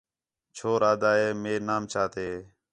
چھور آہدا ہِے مئے نام چا تے